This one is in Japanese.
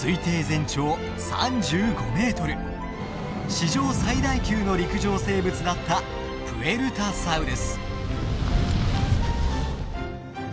史上最大級の陸上生物だったプエルタサウルス。